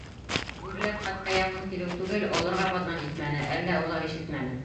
Бүреләр хатта яҡын килеү түгел, олорға баҙнат итмәне, әллә улар ишетмәне.